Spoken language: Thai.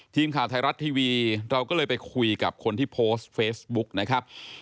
ทีมข่าวไทยรัฐทีวีเราก็เลยไปคุยกับคนที่โพสต์เฟซบุ๊กนะครับ